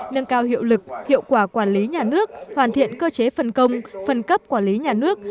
nâng cao hiệu lực hiệu quả quản lý nhà nước hoàn thiện cơ chế phân công phân cấp quản lý nhà nước